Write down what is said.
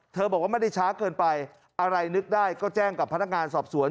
บอกว่าไม่ได้ช้าเกินไปอะไรนึกได้ก็แจ้งกับพนักงานสอบสวน